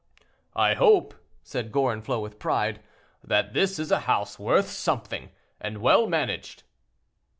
"I hope," said Gorenflot, with pride, "that this is a house worth something, and well managed."